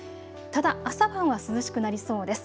ただ朝晩は涼しくなりそうです。